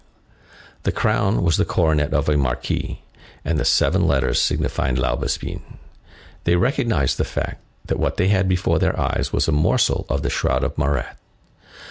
The crown was the coronet of a Marquis, and the seven letters signified Laubespine. They recognized the fact, that what they had before their eyes was a morsel of the shroud of Marat.